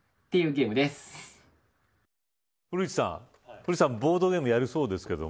古市さん、ボードゲームやるそうですけれども。